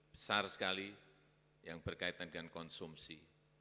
besar sekali yang berkaitan dengan konsumsi